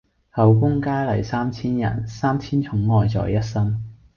后宮佳麗三千人，三千寵愛在一身。